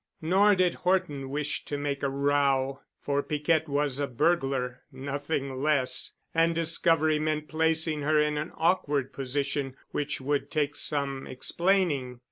Nor did Horton wish to make a row, for Piquette was a burglar—nothing less—and discovery meant placing her in an awkward position which would take some explaining.